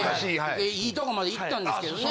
いいとこまでいったんですけどね。